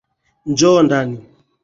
Njoo ndani.